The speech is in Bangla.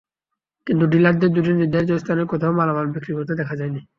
কিন্তু ডিলারদের দুটি নির্ধারিত স্থানের কোথাও মালামাল বিক্রি করতে দেখা যায়নি।